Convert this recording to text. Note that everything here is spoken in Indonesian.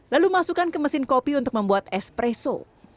lalu masukkan ke mesin kopi untuk membuat espresso